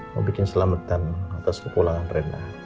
mau bikin selamatan atas ke pulangan reina